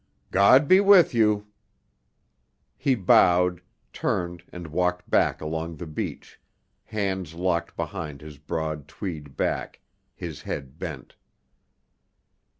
"God be with you!" He bowed, turned and walked back along the beach, hands locked behind his broad tweed back, his head bent.